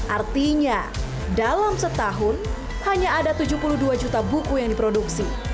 artinya dalam setahun hanya ada tujuh puluh dua juta buku yang diproduksi